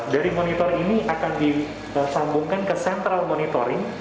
dari monitor ini akan disambungkan ke central monitoring